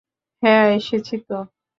হ্যাঁ, এসেছি, তো?